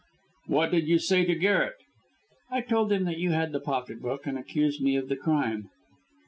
"What did you say to Garret?" "I told him that you had the pocket book, and accused me of the crime.